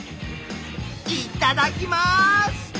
いただきます！